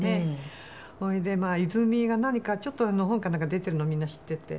「それでまあ泉が何かちょっと本かなんか出てるのをみんな知ってて」